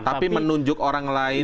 tapi menunjuk orang lain